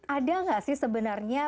ada nggak sih sebenarnya